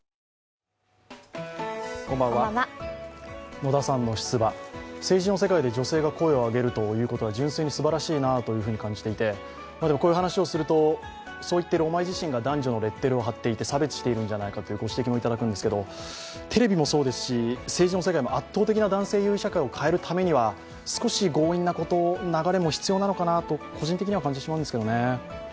野田さんの出馬、政治の世界で女性が声を上げるということは純粋にすばらしいなと感じていてでもこういう話をすると、そういってるお前自身が男女のレッテルを貼って差別しているんじゃないかというご指摘もいただくんですけどテレビもそうですし、政治の世界も圧倒的な男性優位社会を変えるためには少し強引なことも必要かなと感じてしまうんですけどね。